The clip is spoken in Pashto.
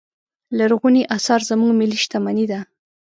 لرغوني اثار زموږ ملي شتمنې ده.